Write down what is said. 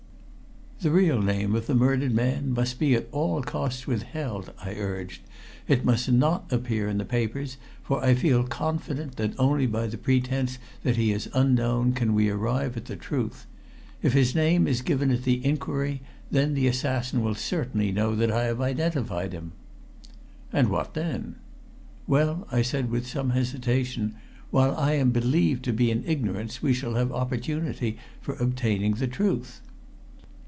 "The real name of the murdered man must be at all costs withheld," I urged. "It must not appear in the papers, for I feel confident that only by the pretense that he is unknown can we arrive at the truth. If his name is given at the inquiry, then the assassin will certainly know that I have identified him." "And what then?" "Well," I said with some hesitation, "while I am believed to be in ignorance we shall have opportunity for obtaining the truth."